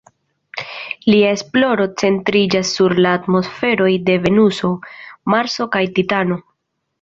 Lia esploro centriĝas sur la atmosferoj de Venuso, Marso kaj Titano.